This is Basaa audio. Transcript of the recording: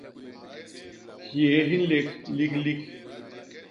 Hyéé hi nlék liklik.